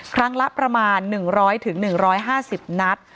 ครั้งละประมาณ๑๐๐๑๕๐นัด